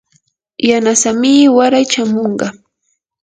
yanasamii waray chamunqa.